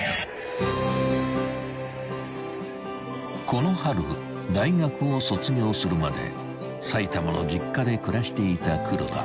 ［この春大学を卒業するまで埼玉の実家で暮らしていた黒田］